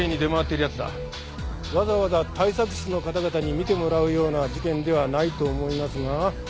わざわざ対策室の方々に見てもらうような事件ではないと思いますが。